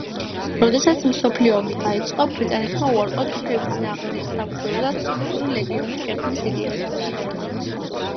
როდესაც მსოფლიო ომი დაიწყო, ბრიტანეთმა უარყო თურქების წინააღმდეგ საბრძოლველად სომხური ლეგიონის შექმნის იდეა.